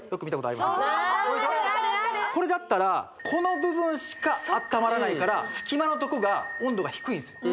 あるあるこれでしょこれだったらこの部分しかあったまらないから隙間のとこが温度が低いんですよ